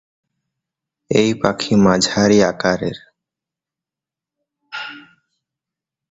এই পাখি মাঝারি আকারের।